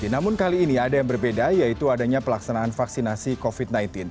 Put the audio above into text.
namun kali ini ada yang berbeda yaitu adanya pelaksanaan vaksinasi covid sembilan belas